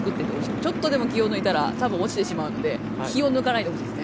ちょっとでも気を抜いたら落ちてしまうので気を抜かないでほしいですね。